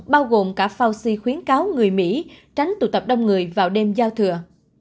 bao gồm cả phao si khuyến cáo người mỹ tránh tụ tập đông người vào đêm giao thừa